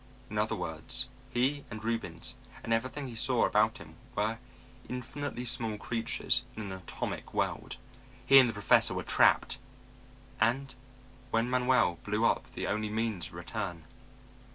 In other words, he and Reubens and everything he saw about him were infinitely small creatures in an atom world. He and the Professor were trapped! And when Manuel blew up the only means of return....